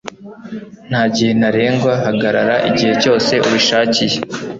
nta gihe ntarengwa, hagarara igihe cyose ubishakiye